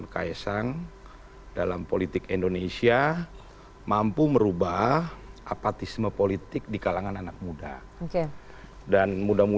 kaisang dalam politik indonesia mampu merubah apatisme politik di kalangan anak muda dan